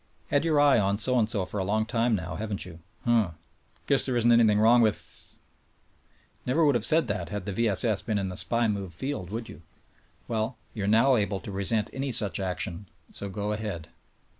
Had your eye on so and so for a long time now, haven't 3^ou? Huh! Guess there isn't anything wrong with ? Never would have said that had the V. S. S. been in the big SPY move field, would you? Well, you are now able to resent any such action, so go ahead!